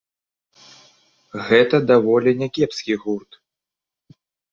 Гэта даволі някепскі гурт.